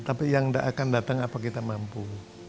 tapi yang akan datang apa kita mampu